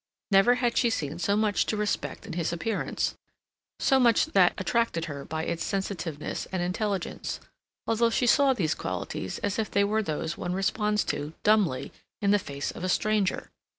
Never had she seen so much to respect in his appearance, so much that attracted her by its sensitiveness and intelligence, although she saw these qualities as if they were those one responds to, dumbly, in the face of a stranger.